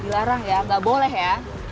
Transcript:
dilarang ya nggak boleh ya